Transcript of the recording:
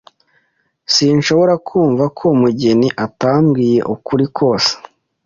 Sinshobora kumva ko Mugeni atambwiye ukuri kose.